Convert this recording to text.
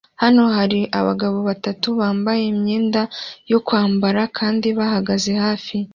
Hano hari abagabo batatu bambaye imyenda yo kwambara kandi bahagaze hafi